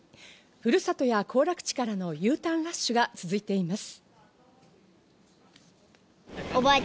ふるさとや行楽地からのＵターンラッシュが続いています。